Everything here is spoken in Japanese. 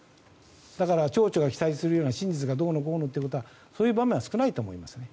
だから、町長が記載するような真実がどうのこうのっていうそういう場面は少ないと思いますね。